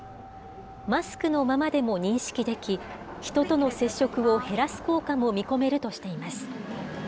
マスクのままでも認識でき、人との接触を減らす効果も見込めるとしています。